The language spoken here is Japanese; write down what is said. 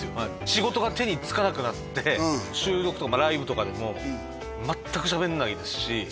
仕事が手につかなくなって収録とかライブとかでもしゃべんないの？